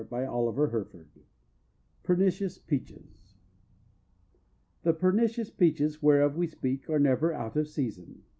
PERNICIOUS PEACHES The Pernicious Peaches whereof we speak are never out of season.